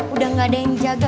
udah gak ada yang jaga